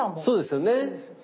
そうですよね。